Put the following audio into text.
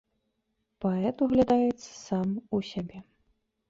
Паэт углядаецца сам у сябе.